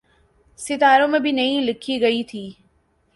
ستاروں میں بھی نہیں لکھی گئی تھی۔